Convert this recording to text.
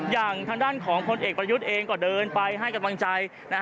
อย่างทางด้านของพลเอกประยุทธ์เองก็เดินไปให้กำลังใจ